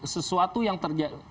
sesuatu yang terjadi